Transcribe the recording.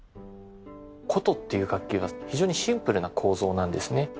筝っていう楽器が非常にシンプルな構造なんですね。